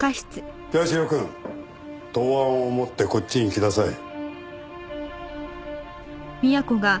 社くん答案を持ってこっちに来なさい。